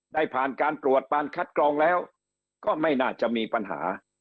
ได้ผ่านการตรวจผ่านคัดกรองแล้วก็ไม่น่าจะมีปัญหา